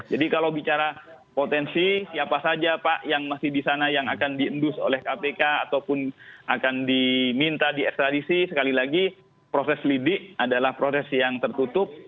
jadi kalau bicara potensi siapa saja pak yang masih di sana yang akan diendus oleh kpk ataupun akan diminta di ekstradisi sekali lagi proses lidik adalah proses yang tertutup